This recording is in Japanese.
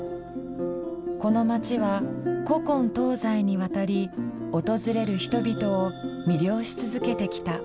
この街は古今東西にわたり訪れる人々を魅了し続けてきた。